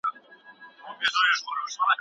ذمیانو ته په اسلامي ټولنه کي پوره درناوی کېږي.